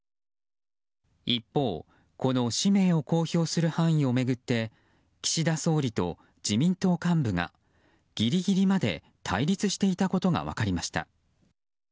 一方、この氏名を公表する範囲を巡って岸田総理と自民党幹部がギリギリまで対立していたことが分かりました。